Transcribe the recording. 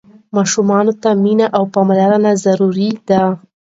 ماشومانو ته مينه او پاملرنه ضروري ده.